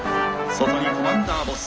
外にコマンダーボス。